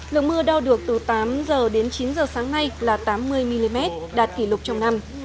lượng mưa đo được từ tám giờ đến chín giờ sáng nay là tám mươi mm đạt kỷ lục trong năm